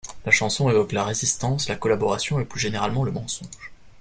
La chanson évoque la résistance, la collaboration et plus généralement le mensonge.